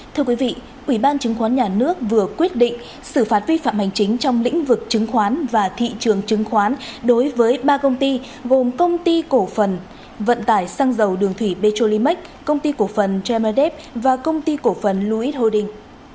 thưa quý vị ủy ban chứng khoán nhà nước vừa quyết định xử phạt vi phạm hành chính trong lĩnh vực chứng khoán và thị trường chứng khoán đối với ba công ty gồm công ty cổ phần vận tải xăng dầu đường thủy petrolimax công ty cổ phần gmed và công ty cổ phần louis holding